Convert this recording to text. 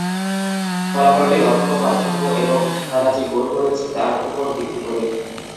ফলাফলটি লক্ষ্য পার্থক্য এবং তারা যে গোল করেছে তার উপর ভিত্তি করে।